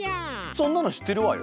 そんなの知ってるわよ。